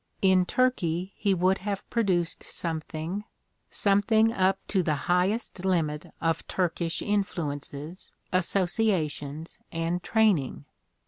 In Turkey he would have produced something — something up to the highest limit of Turkish influences, associations and training.